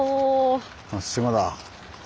松島だ。